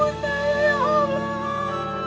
amu ibu saya ya allah